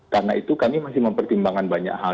karena itu kami masih mempertimbangkan banyak hal